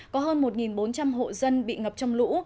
có hơn một bốn trăm linh hộ dân bị ngập trong lũ